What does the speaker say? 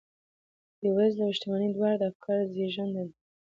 بېوزلي او شتمني دواړې د افکارو زېږنده دي.